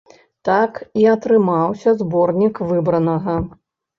Так і атрымаўся зборнік выбранага.